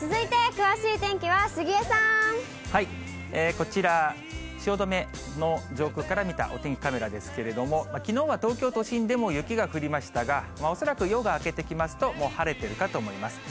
こちら、汐留の上空から見たお天気カメラですけれども、きのうは東京都心でも雪が降りましたが、恐らく夜が明けてきますと、もう晴れてるかと思います。